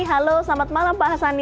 halo selamat malam pak hasani